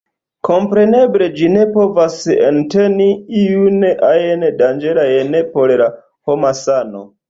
Kompreneble ĝi ne povas enteni iun ajn danĝerajn por la homa sano.